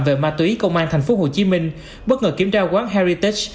về ma túy công an tp hcm bất ngờ kiểm tra quán heritex